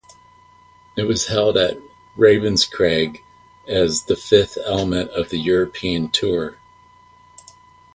It was held at Ravenscraig as the fifth event of the European Tour.